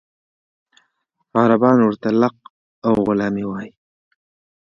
عربان ورته لق او غلامي وایي.